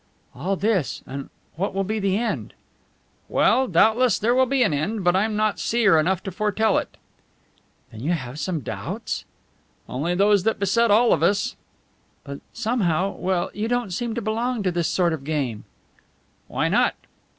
"All this and what will be the end?" "Well, doubtless there will be an end, but I'm not seer enough to foretell it." "Then you have some doubts?" "Only those that beset all of us." "But somehow well, you don't seem to belong to this sort of game." "Why not?"